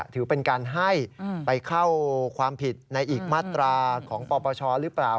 ถือเป็นการให้ไปเข้าความผิดในอีกมาตราของปปชหรือเปล่า